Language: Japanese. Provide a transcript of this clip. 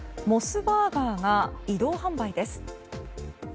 モスバーガーが移動販売です。